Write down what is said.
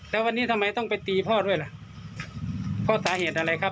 แล้ววันนี้ทำไมต้องไปตีพ่อด้วยล่ะพ่อสาเหตุอะไรครับ